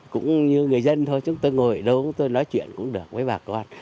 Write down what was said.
cũng như người dân thôi chúng tôi ngồi ở đâu tôi nói chuyện cũng được với bà con